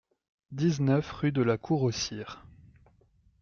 dix-neuf rue de la Cour au Sire